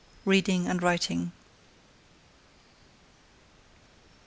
"Reading and Writing." XLV.